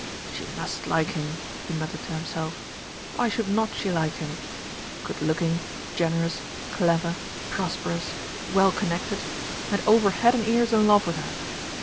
"She must like him," he muttered to himself. "Why should not she like him? good looking, generous, clever, prosperous, well connected, and over head and ears in love with her.